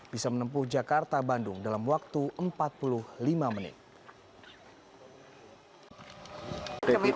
bisa menempuh jakarta bandung dalam waktu empat puluh lima menit